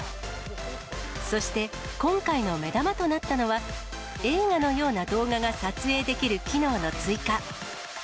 そして、今回の目玉となったのは、映画のような動画が撮影できる機能の追加。